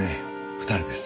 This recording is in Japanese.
２人でさ。